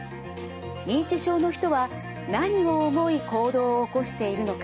認知症の人は何を思い行動を起こしているのか。